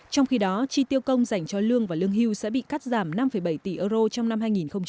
trong khi đó chi tiêu công dành cho lương và lương hưu sẽ bị cắt giảm năm bảy tỷ euro trong năm hai nghìn hai mươi